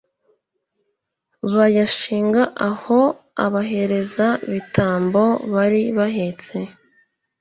bayashinga aho abaherezabitambo bari bahetse